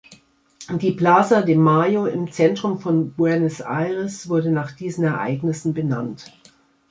Die Plaza de Mayo im Zentrum von Buenos Aires wurde nach diesen Ereignissen benannt.